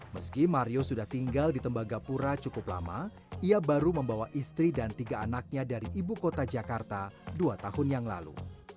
meski mario sudah tinggal di tembagapura cukup lama ia baru membawa istri dan tiga anaknya dari ibu kota jakarta dua tahun yang lalu